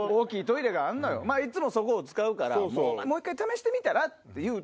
いつもそこを使うから「もう一回試してみたら？」って言うて。